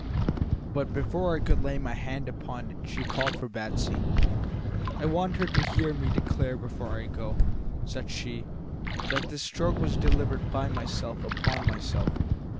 "But before I could lay my hand upon it she called for Batsy. 'I want her to hear me declare before I go,' said she, 'that this stroke was delivered by myself upon myself.'